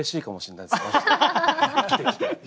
生きてきて。